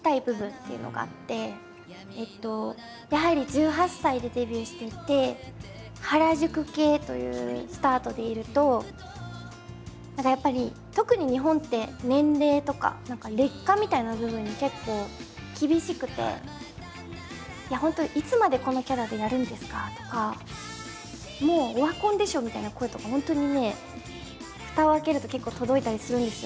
やはり１８歳でデビューしていて原宿系というスタートでいると何かやっぱり特に日本って年齢とか劣化みたいな部分に結構厳しくて「本当いつまでこのキャラでやるんですか？」とか「もうオワコンでしょ」みたいな声とか本当にねふたを開けると結構届いたりするんですよ。